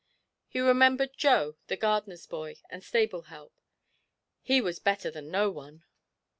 He remembered Joe, the gardener's boy and stable help he was better than no one.